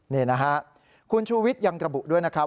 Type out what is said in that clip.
นี่นะฮะคุณชูวิทย์ยังกระบุด้วยนะครับ